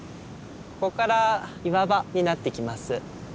ここから岩場になってきます。